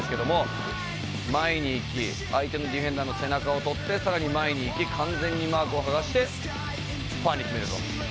前に行き相手のディフェンダーの背中を取ってさらに前に行き完全にマークを剥がしてファーに決めると。